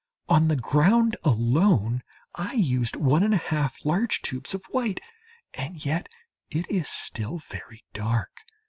On the ground alone I used one and a half large tubes of white; and yet it is still very dark.